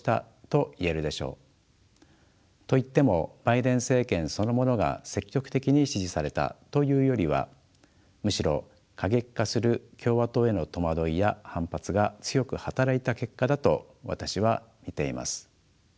といってもバイデン政権そのものが積極的に支持されたというよりはむしろ過激化する共和党への戸惑いや反発が強く働いた結果だと私は見ています。